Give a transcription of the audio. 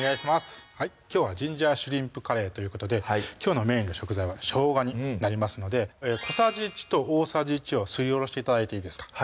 きょうは「ジンジャーシュリンプカレー」ということできょうのメインの食材はしょうがになりますので小さじ１と大さじ１をすりおろして頂いていいですか？